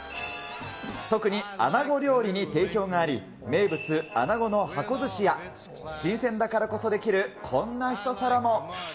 特にアナゴ料理に定評があり、名物、アナゴの箱寿司や新鮮だからこそできるこんな一皿も。